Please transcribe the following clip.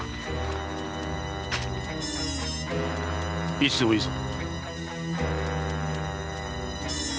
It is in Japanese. いつでもいいぞ。